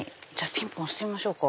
ピンポン押してみましょうか。